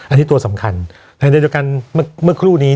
อันนี้ตัวสำคัญในเรื่องกันเมื่อครู่นี้